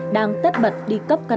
đang tất bật đi cấp căn cấp công dân